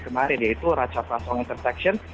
kemarin yaitu raja pasong intersection